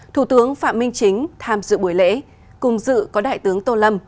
thủ tướng phạm minh chính tham dự buổi lễ cùng dự có đại tướng tô lâm